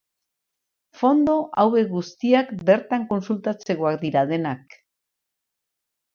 Fondo hauek guztiak bertan kontsultatzekoak dira denak.